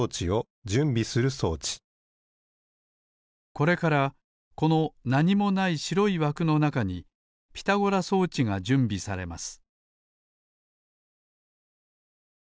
これからこのなにもないしろいわくのなかにピタゴラ装置がじゅんびされます